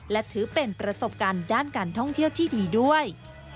และถือเป็นประสบการณ์ด้านการท่องเที่ยวที่มีด้วย